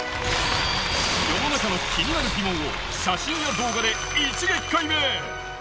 世の中の気になる疑問を写真や動画で一撃解明！